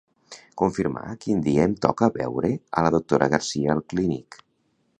Confirmar quin dia em toca veure a la doctora Garcia al Clínic.